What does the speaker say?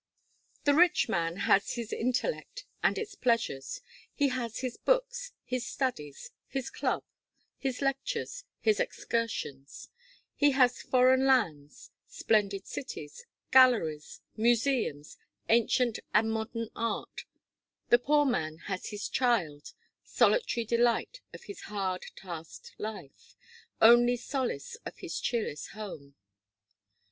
The rich man has his intellect, and its pleasures; he has his books, his studies, his club, his lectures, his excursions; he has foreign lands, splendid cities, galleries, museums, ancient and modern art: the poor man has his child, solitary delight of his hard tasked life, only solace of his cheerless home.